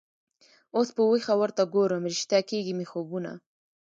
اوس په ویښه ورته ګورم ریشتیا کیږي مي خوبونه